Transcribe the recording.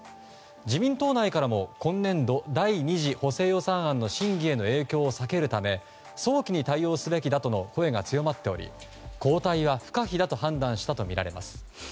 自民党内からも今年度第２次補正予算案への審議への影響を避けるため早期に対応すべきだとの声が強まっており交代は不可避だと判断したとみられます。